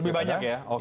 lebih banyak ya oke